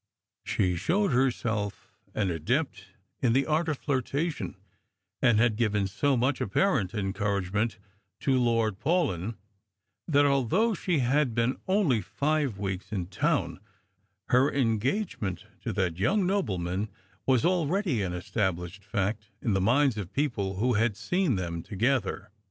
She showed herself an adept in the art of flirtation, and had given so much apparent encouragement to Lord Paulyn, that, although she had been only five weeks in town, her engagement to that young nobleman was already an established fact in the minds of people who had seen them together.